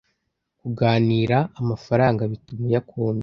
kuganira amafaranga bituma uyakunda